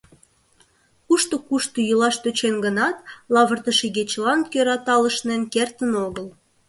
Кушто-кушто йӱлаш тӧчен гынат, лавыртыш игечылан кӧра талышнен кертын огыл.